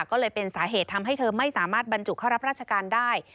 ก็เลยเป็นสาเหตุทำให้เธอไม่สามารถบรรจุเข้ารับราชการได้